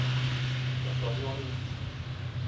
Antônio Olinto